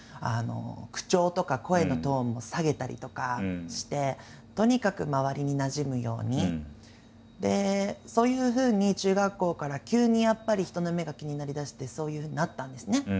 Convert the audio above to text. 口調とか声のトーンも下げたりとかしてそういうふうに中学校から急にやっぱり人の目が気になりだしてそういうふうになったんですね。